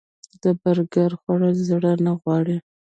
د برګر خوړل زړه غواړي